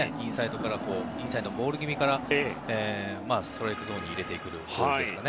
インサイドのボール気味からストライクゾーンに入れるボールです。